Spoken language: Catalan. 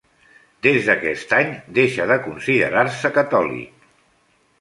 Des d'aquest any deixa de considerar-se catòlic.